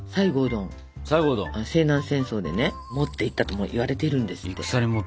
西南戦争でね持っていったともいわれてるんですって。